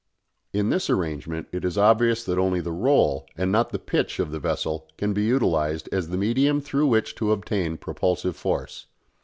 In this arrangement it is obvious that only the "roll" and not the "pitch" of the vessel can be utilised as the medium through which to obtain propulsive force.